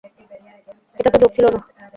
এটা তো জোক ছিল না।